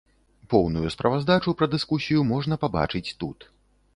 Поўную справаздачу пра дыскусію можна пабачыць тут.